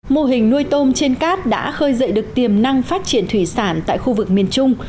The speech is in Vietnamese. mô hình nuôi tôm trên cát đã khơi dậy được tiềm năng phát triển thủy sản tại khu vực miền trung